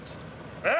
えっ！